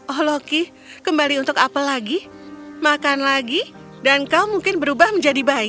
oh loki kembali untuk apa lagi makan lagi dan kau mungkin berubah menjadi bayi